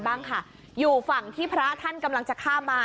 บ้างค่ะอยู่ฝั่งที่พระท่านกำลังจะข้ามมา